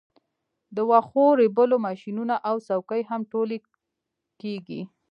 د واښو ریبلو ماشینونه او څوکۍ هم ټولې کیږي